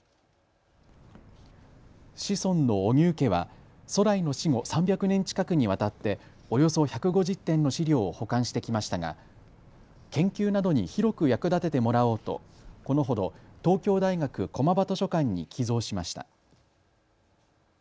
子孫の荻生家は徂徠の死後３００年近くにわたっておよそ１５０点の資料を保管してきましたが研究などに広く役立ててもらおうとこのほど東京大学駒場図書館に寄贈しました。